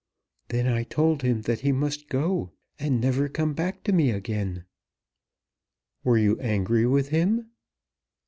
"Then I told him that he must go, and never come back to me again." "Were you angry with him?"